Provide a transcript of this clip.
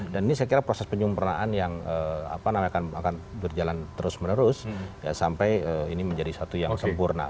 dan ini saya kira proses penyumpernaan yang akan berjalan terus menerus sampai ini menjadi satu yang sempurna